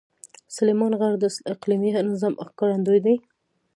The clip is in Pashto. سلیمان غر د اقلیمي نظام ښکارندوی دی.